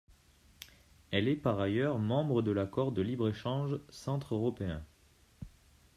Elle est par ailleurs membre de l'Accord de libre-échange centre-européen.